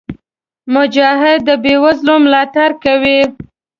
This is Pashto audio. مجاهد د بېوزلو ملاتړ کوي.